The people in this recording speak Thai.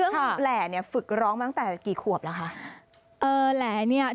แปลว่าดนตรีศาลและศิลป